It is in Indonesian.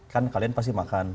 kan kalian pasti makan